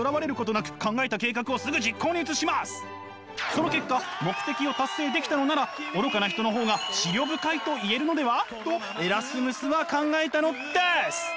その結果目的を達成できたのなら愚かな人の方が思慮深いと言えるのでは？とエラスムスは考えたのです！